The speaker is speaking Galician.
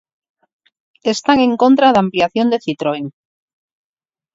Están en contra da ampliación de Citroën.